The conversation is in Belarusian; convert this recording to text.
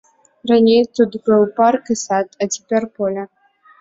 Раней тут быў парк і сад, а цяпер поле.